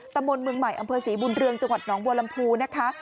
ตมเมืองใหม่อำเภอศรีบุญเรืองจังหวัดหนองบวรรมภูร์นะคะ